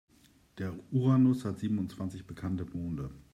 Der Uranus hat siebenundzwanzig bekannte Monde.